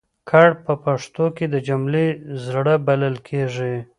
کړ په پښتو کې د جملې زړه بلل کېږي.